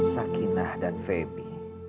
sakinah dan febi